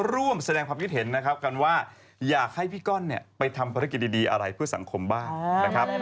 ร่วมแสดงความคิดเห็นนะครับกันว่าอยากให้พี่ก้อนไปทำภารกิจดีอะไรเพื่อสังคมบ้างนะครับ